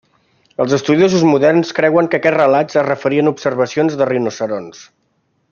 Els estudiosos moderns creuen que aquests relats es referien a observacions de rinoceronts.